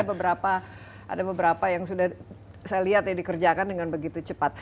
ada beberapa yang sudah saya lihat ya dikerjakan dengan begitu cepat